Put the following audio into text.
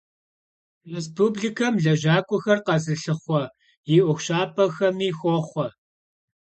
Rêspublikem lejak'uexer khezılhıxhue yi 'uexuş'ap'exemi khaxoxhue.